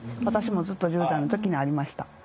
私もずっと１０代の時にありました。